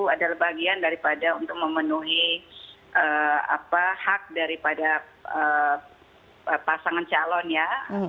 adalah bagian daripada untuk memenuhi hak daripada pasangan calon ya